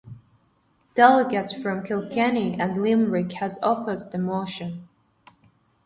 Delegates from Kilkenny and Limerick had opposed the motion.